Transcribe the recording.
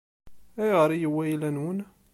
Ayɣer i yewwi ayla-nwen?